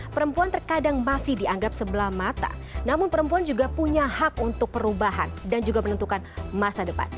perempuan terkadang masih dianggap sebelah mata namun perempuan juga punya hak untuk perubahan dan juga menentukan masa depan